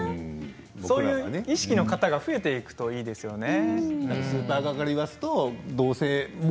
そういう意識の方が増えていくといいですよね。